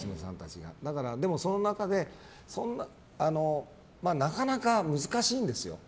でも、その中でなかなか難しいんですよ。